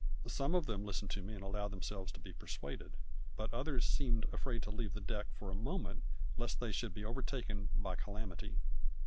Some of them listened to me and allowed themselves to be persuaded, but others seemed afraid to leave the deck for a moment lest they should be overtaken by calamity.